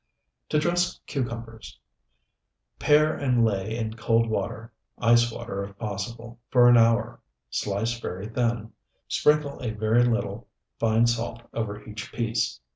TO DRESS CUCUMBERS Pare and lay in cold water ice water if possible for an hour. Slice very thin. Sprinkle a very little fine salt over each piece.